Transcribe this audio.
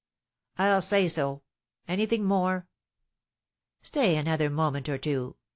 "I'll say so. Anything more?" "Stay another moment or two.